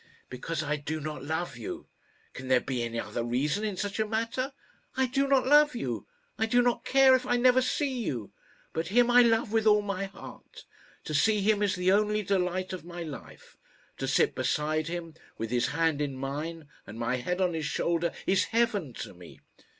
"Because I do not love you. Can there be any other reason in such a matter? I do not love you. I do not care if I never see you. But him I love with all my heart. To see him is the only delight of my life. To sit beside him, with his hand in mine, and my head on his shoulder, is heaven to me.